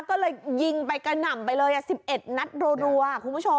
ก็เลยยิงไปกระหน่ำไปเลย๑๑นัดรัวคุณผู้ชม